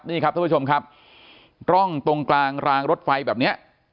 นี่ครับท่านผู้ชมครับร่องตรงกลางรางรถไฟแบบเนี้ย